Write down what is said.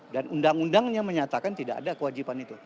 dan undang undangnya menyatakan tidak ada kewajiban itu